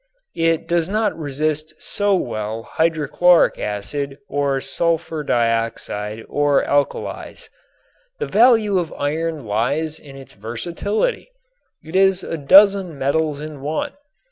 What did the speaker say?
It does not resist so well hydrochloric acid or sulfur dioxide or alkalies. The value of iron lies in its versatility. It is a dozen metals in one.